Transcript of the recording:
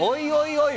おい